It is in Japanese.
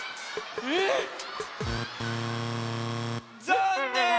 ざんねん！